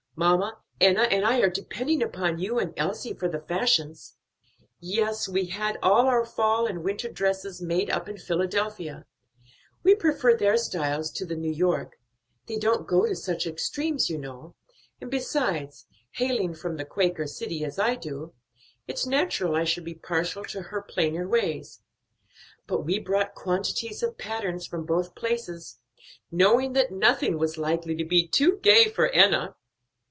Mamma, Enna, and I are depending upon you and Elsie for the fashions." "Yes, we had all our fall and winter dresses made up in Philadelphia; we prefer their styles to the New York; they don't go to such extremes, you know; and besides hailing from the Quaker city as I do, it's natural I should be partial to her plainer ways but we brought quantities of patterns from both places; knowing that nothing was likely to be too gay for Enna.